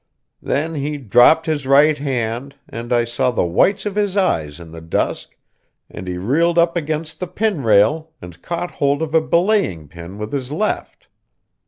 Then he dropped his right hand, and I saw the whites of his eyes in the dusk, and he reeled up against the pin rail, and caught hold of a belaying pin with his left.